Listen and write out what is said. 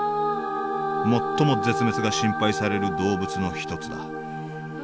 最も絶滅が心配される動物の一つだ。